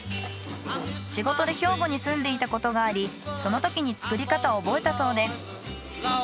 仕事で兵庫に住んでいたことがありそのときに作り方を覚えたそうです。